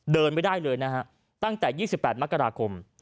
เดินไม่ได้เลยนะฮะตั้งแต่๒๘มกราคม